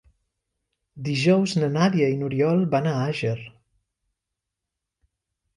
Dijous na Nàdia i n'Oriol van a Àger.